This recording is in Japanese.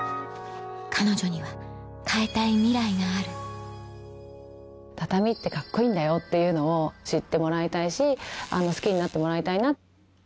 彼女には変えたいミライがある畳ってカッコいいんだよっていうのを知ってもらいたいし好きになってもらいたいな。